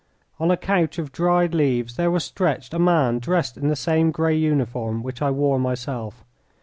On a couch of dried leaves there was stretched a man dressed in the same grey uniform which I wore myself.